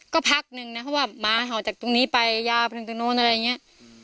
ก็พักหนึ่งนะเพราะว่าหมาเห่าจากตรงนี้ไปยาวไปถึงตรงนู้นอะไรอย่างนี้